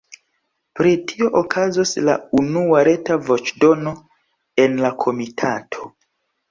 Pri tio okazos la unua reta voĉdono en la komitato.